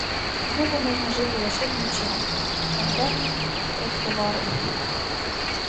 Знову можна жити лише вночі, а вдень — просто варить!